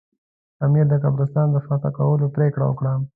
امیر د کافرستان د فتح کولو پرېکړه وکړه.